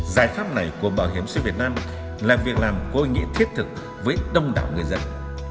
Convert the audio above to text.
giải pháp này của bảo hiểm xã hội việt nam là việc làm có ý nghĩa thiết thực với đông đảo người dân